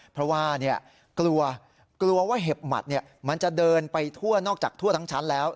เพราะว่ากลัวกลัวว่าเห็บหมัดมันจะเดินไปทั่วนอกจากทั่วทั้งชั้นแล้ว